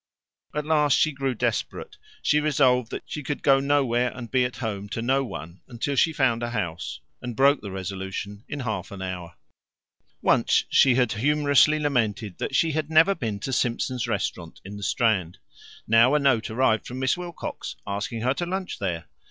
At last she grew desperate; she resolved that she would go nowhere and be at home to no one until she found a house, and broke the resolution in half an hour. Once she had humorously lamented that she had never been to Simpson's restaurant in the Strand. Now a note arrived from Miss Wilcox, asking her to lunch there.